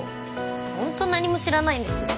ホント何も知らないんですね